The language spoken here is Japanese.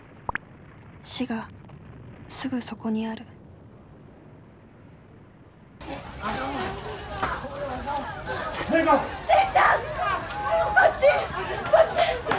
死がすぐそこにある聖子！